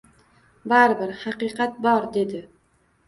— Baribir... haqiqat bor! — dedi.